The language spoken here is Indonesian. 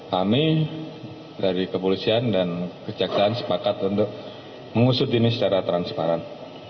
kami dari kepolisian dan kejaksaan sepakat untuk mengusut ini secara transparan